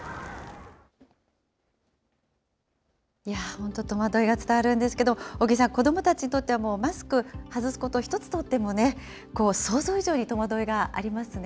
本当、戸惑いが伝わるんですけど、尾木さん、子どもたちにとってはもう、マスク、外すこと１つとってもね、想像以上に戸惑いがありますね。